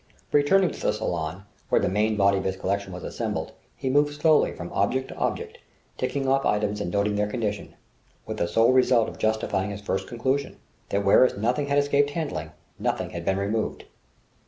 Returning to the salon, where the main body of his collection was assembled, he moved slowly from object to object, ticking off items and noting their condition; with the sole result of justifying his first conclusion, that whereas nothing had escaped handling, nothing had been removed.